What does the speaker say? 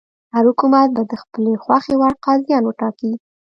هر حکومت به د خپلې خوښې وړ قاضیان وټاکي.